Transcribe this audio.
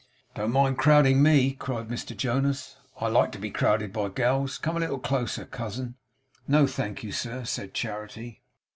'Don't mind crowding me,' cried Mr Jonas. 'I like to be crowded by gals. Come a little closer, cousin.' 'No, thank you, sir,' said Charity.